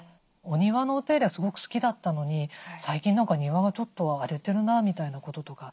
お庭のお手入れがすごく好きだったのに最近何か庭がちょっと荒れてるなみたいなこととか。